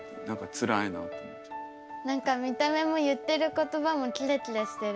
何か見た目も言ってる言葉もキラキラしてる。